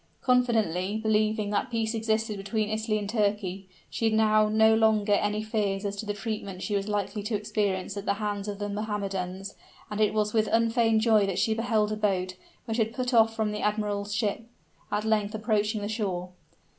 Confidently believing that peace existed between Italy and Turkey, she had now no longer any fears as to the treatment she was likely to experience at the hands of the Mohammedans; and it was with unfeigned joy that she beheld a boat, which had put off from the admiral's ship, at length approaching the shore.